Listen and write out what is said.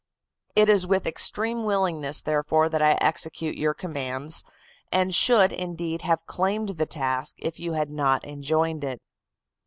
It is with extreme willingness, therefore, that I execute your commands; and should, indeed, have claimed the task if you had not enjoined it.